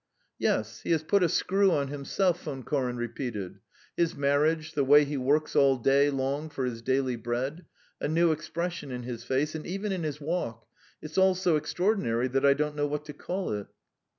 "Yes, he has put a screw on himself," Von Koren repeated. "His marriage, the way he works all day long for his daily bread, a new expression in his face, and even in his walk it's all so extraordinary that I don't know what to call it."